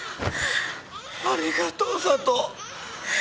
ありがとう佐都。